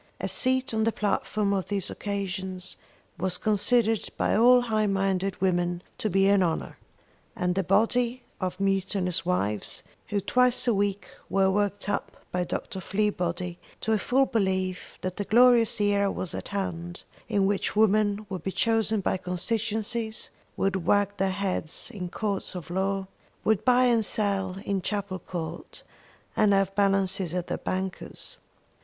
A seat on the platform on these occasions was considered by all high minded women to be an honour, and the body of the building was always filled by strongly visaged spinsters and mutinous wives, who twice a week were worked up by Dr. Fleabody to a full belief that a glorious era was at hand in which woman would be chosen by constituencies, would wag their heads in courts of law, would buy and sell in Capel Court, and have balances at their banker's.